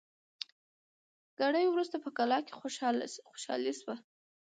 ګړی وروسته په کلا کي خوشالي سوه